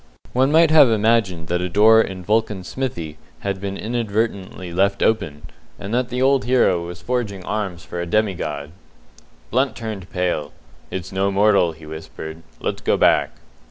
One might have imagined that a door in Vulcan's Smithy had been left inadvertently open, and that the old hero was forging arms for a demigod. Blunt turned pale. "It's no mortal," he whispered. "Let's go back."